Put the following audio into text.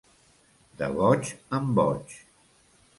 De boig en boig.